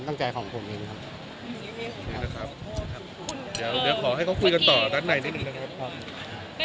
นี่ก็มีคนต้องร่วมจากคนใหม่นั้นนะครับ